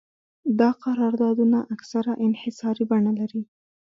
دا قراردادونه اکثراً انحصاري بڼه لري